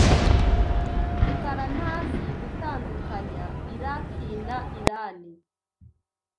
rukarantazi gutandukanya Iraki na Irani.